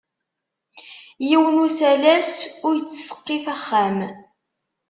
Yiwen usalas ur ittseqqif axxam.